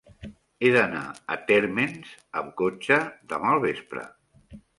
He d'anar a Térmens amb cotxe demà al vespre.